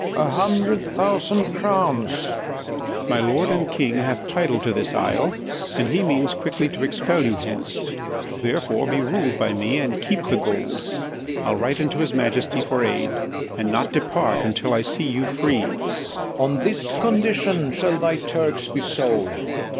FERNEZE. A hundred thousand crowns. MARTIN DEL BOSCO. My lord and king hath title to this isle, And he means quickly to expel you hence; Therefore be rul'd by me, and keep the gold: I'll write unto his majesty for aid, And not depart until I see you free. FERNEZE. On this condition shall thy Turks be sold.